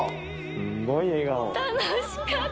すんごい笑顔。